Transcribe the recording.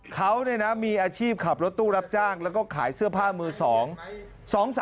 เขามีอาชีพขับรถตู้รับจ้างแล้วก็ขายเสื้อผ้ามือสองสาม